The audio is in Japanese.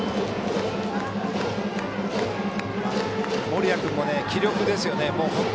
森谷君も気力ですよね。